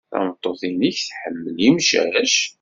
Tameṭṭut-nnek tḥemmel imcac?